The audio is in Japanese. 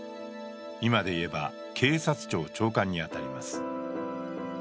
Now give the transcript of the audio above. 今で言えば警察庁長官に当たります。